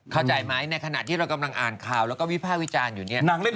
เข้าใจไหมในขณะที่เรากำลังอ่านข่าวแล้วก็วิภาควิจารณ์อยู่เนี่ย